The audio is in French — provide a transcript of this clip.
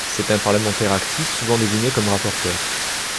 C'est un parlementaire actif, souvent désigné comme rapporteur.